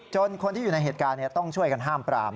คนที่อยู่ในเหตุการณ์ต้องช่วยกันห้ามปราม